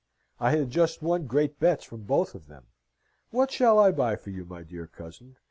"I had just won great bets from both of them. What shall I buy for you, my dear cousin?"